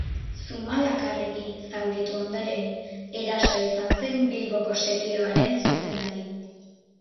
Zumalakarregi zauritu ondoren, Eraso izan zen Bilboko setioaren zuzendari.